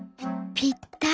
「ぴったり！